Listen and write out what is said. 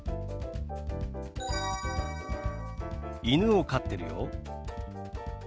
犬を飼ってるよ。